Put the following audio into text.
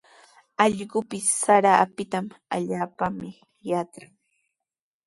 Allqupis sara apitaqa allaapami yatran.